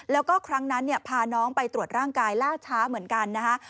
แล้วก็ครั้งนั้นพาน้องไปตรวจร่างกายล่าช้าเหมือนกันนะฮะ